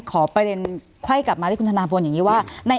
ขอประเด็นไข้กลับมาที่คุณธนาพลอย่างนี้ว่า